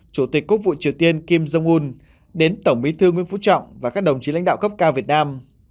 chủ tịch quốc hội triều tiên kim jong un đến tổng bí thư nguyễn phú trọng và các đồng chí lãnh đạo cấp cao việt nam